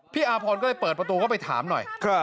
อาพรก็เลยเปิดประตูเข้าไปถามหน่อย